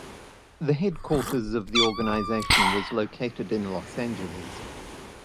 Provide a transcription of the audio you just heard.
The headquarters of the organisation was located in Los Angeles.